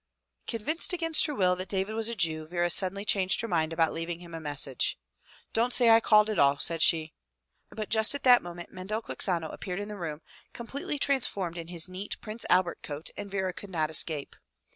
Convinced against her will that David was a Jew, Vera suddenly changed her mind about leaving him a message. "Don't say I called at all," said she. But just at that moment Mendel Quixano appeared in the room, completely transformed in his neat Prince Albert coat, and Vera could not escape.